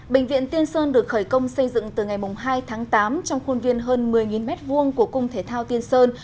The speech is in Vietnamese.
bệnh viện tiên sơn được khởi công xây dựng từ ngày hai tháng tám trong khuôn viên hơn một mươi m hai của cung thể thao tiên sơn